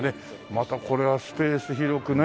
またこれはスペース広くね。